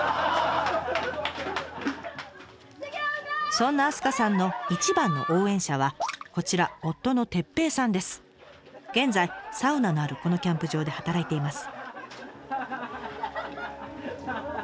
・そんな明日香さんの一番の応援者はこちら夫の現在サウナのあるこのキャンプ場で働いています。